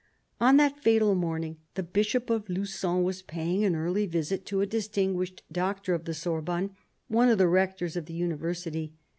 On that fatal morning, the Bishop of Lugon was paying an early visit to a distinguished doctor of the Sorbonne, one of the rectors of the University.